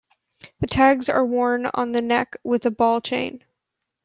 The tags are worn on the neck with a ball chain.